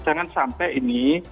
jangan sampai ini